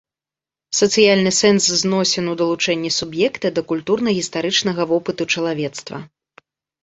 Сацыяльны сэнс зносін у далучэнні суб'екта да культурна-гістарычнага вопыту чалавецтва.